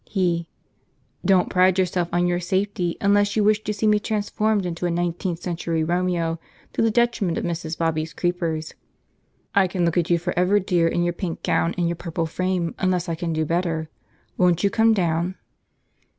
He. "Don't pride yourself on your safety unless you wish to see me transformed into a nineteenth century Romeo, to the detriment of Mrs. Bobby's creepers. I can look at you for ever, dear, in your pink gown and your purple frame, unless I can do better. Won't you come down?"